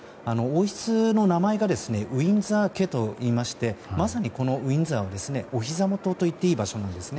王室の名前がウィンザー家といいましてまさに、このウィンザーはおひざ元といっていい場所です。